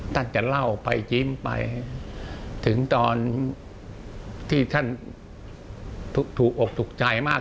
ท่านจะเล่าไปยิ้มไปถึงตอนที่ท่านถูกอกถูกใจมาก